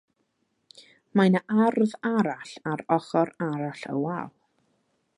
Mae 'na ardd arall ar ochr arall y wal.